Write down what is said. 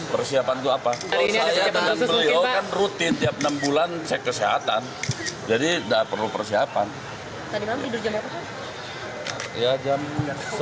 keduanya mengaku siap menjalani tes kesehatan terlebih dahulu sebelum ke rumah sakit